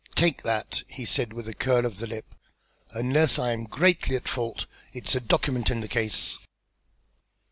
"Take that!" he said with a curl of the lip. "Unless I am greatly at fault, it's a document in the case."